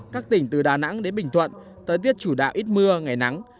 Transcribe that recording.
các tỉnh từ đà nẵng đến bình thuận thời tiết chủ đạo ít mưa ngày nắng